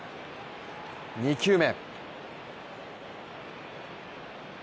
２球目。